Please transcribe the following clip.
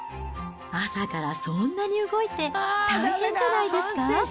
朝からそんなに動いて大変じゃないですか？